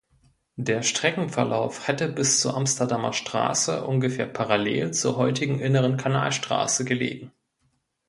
Der Streckenverlauf hätte bis zur Amsterdamer Straße ungefähr parallel zur heutigen Inneren Kanalstraße gelegen.